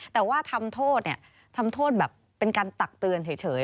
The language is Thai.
แต่ว่าทำโทษแบบเป็นการตักเตือนเฉย